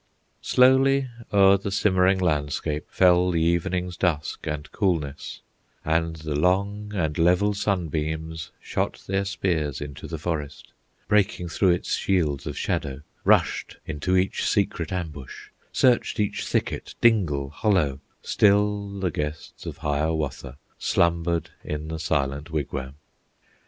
Slowly o'er the simmering landscape Fell the evening's dusk and coolness, And the long and level sunbeams Shot their spears into the forest, Breaking through its shields of shadow, Rushed into each secret ambush, Searched each thicket, dingle, hollow; Still the guests of Hiawatha Slumbered in the silent wigwam.